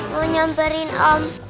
mau nyamperin om